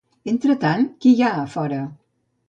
Entretant, qui hi ha fora?